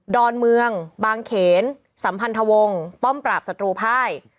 อนเมืองบางเขนสัมพันธวงศ์ป้อมปราบศัตรูภาย